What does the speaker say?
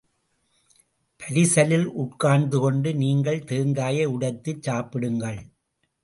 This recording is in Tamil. பரிசலில் உட்கார்ந்துகொண்டு நீங்கள் தேங்காயை உடைத்துச் சாப்பிடுங்கள்.